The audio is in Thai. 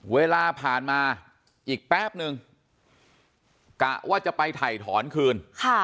เวลาผ่านมาอีกแป๊บนึงกะว่าจะไปถ่ายถอนคืน